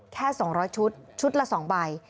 แค่๒๐๐ชุดชุดละ๒ใบ